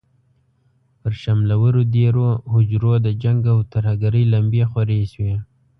پر شملورو دېرو، هوجرو د جنګ او ترهګرۍ لمبې خورې شوې.